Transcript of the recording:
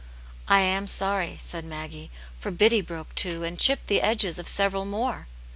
"I am sorry," said Maggie. "For Biddy broke two, and chipped the edges of several more."